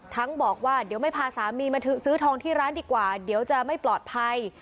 บอกว่าเดี๋ยวไม่พาสามีมาซื้อทองที่ร้านดีกว่าเดี๋ยวจะไม่ปลอดภัย